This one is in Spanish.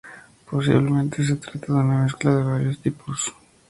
Posiblemente se trata de una mezcla de varios tipos textuales.